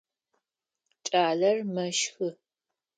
Кӏалэр мэщхы.